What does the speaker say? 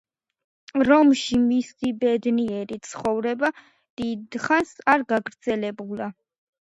რომში მისი ბედნიერი ცხოვრება დიდხანს არ გაგრძელებულა.